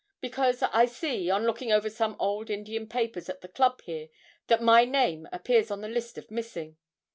because I see, on looking over some old Indian papers at the club here, that my name appears on the list of missing.